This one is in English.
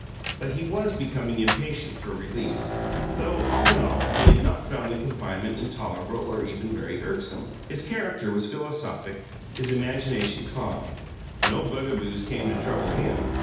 But he was becoming impatient for release, though, all in all, he had not found the confinement intolerable or even very irksome. His character was philosophic, his imagination calm; no bugaboos came to trouble him.